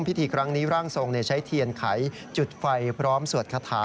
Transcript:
พิธีครั้งนี้ร่างทรงใช้เทียนไขจุดไฟพร้อมสวดคาถา